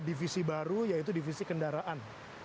divisi baru yaitu divisi kendaraan